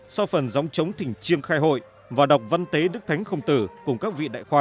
so phần giống chống thỉnh chiêng khai hội và đọc văn tế đức thánh khổng tử cùng các vị đại khoa